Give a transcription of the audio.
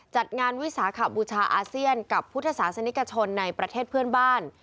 จัดงานวิสาขบูชาอาเซียนกับพุทธศาสนิกชนในประเทศเพื่อนบ้าน